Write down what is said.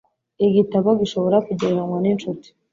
Igitabo gishobora kugereranywa ninshuti.